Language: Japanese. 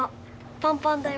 パンパンだよ